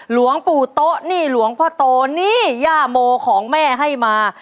หลวงปู่โต๊ะนี่หลวงพ่อโตนี่ย่าโมของแม่ให้มา